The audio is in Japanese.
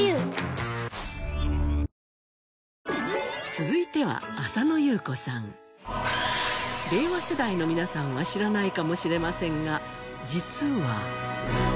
続いては令和世代の皆さんは知らないかもしれませんが実は。